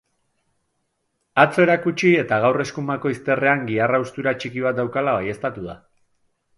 Atzo erakutsi eta gaur eskumako izterrean gihar haustura txiki bat daukala baieztatu da.